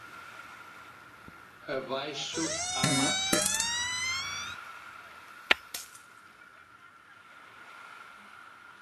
Abaixo à máfia.